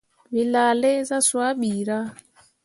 Wǝ laa lai zah swaa ɓirah.